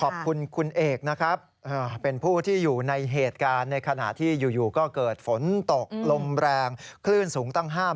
ขอบคุณคุณเอกนะครับเป็นผู้ที่อยู่ในเหตุการณ์ในขณะที่อยู่ก็เกิดฝนตกลมแรงคลื่นสูงตั้ง๕